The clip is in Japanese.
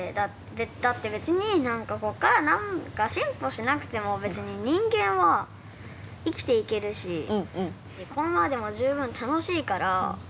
だって別に何かこっから何か進歩しなくても別に人間は生きていけるしこのままでも十分楽しいから。